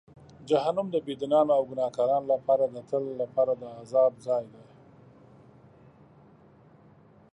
جهنم د بېدینانو او ګناهکارانو لپاره د تل لپاره د عذاب ځای دی.